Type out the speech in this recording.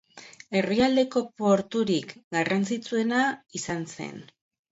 Herrialdeko porturik garrantzitsuena izan zen.